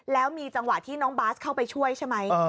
แล้วมีจังหวะที่น้องบาสเข้าไปช่วยใช่ไหม